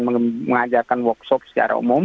mengajarkan workshop secara umum